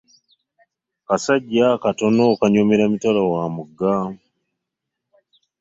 Kasajja katono okanyomera mitala wa mugga.